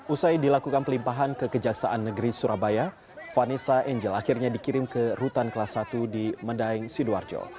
usai dilakukan pelimpahan ke kejaksaan negeri surabaya vanessa angel akhirnya dikirim ke rutan kelas satu di medaeng sidoarjo